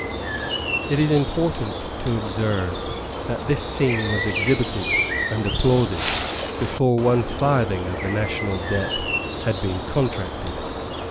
It is important to observe that this scene was exhibited and applauded before one farthing of the national debt had been contracted.